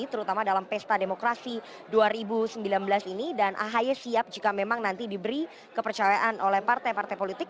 terutama dalam pesta demokrasi dua ribu sembilan belas ini dan ahy siap jika memang nanti diberi kepercayaan oleh partai partai politik